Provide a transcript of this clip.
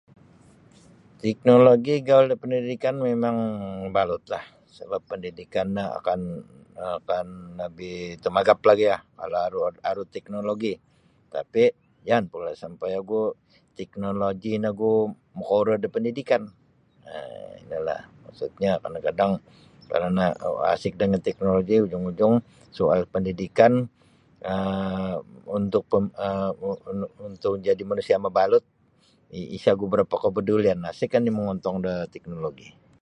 Teknologi igaul da pendidikan mimang mabalutlah sebap pendidikan no akan akan lebih tumagap lagilah kalau aru aru teknologi tapi jangan pula sampai ogu teknologi nogu makaurau da pendidikan um inolah maksudnyo kadang-kadang kerana asik dengan teknologi ujung-ujung soal pendidikan um untuk um nu untuk jadi manusia mabalut isa' ogu kapadulian asik oni mongontong da teknologi.